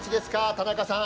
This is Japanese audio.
田中さん。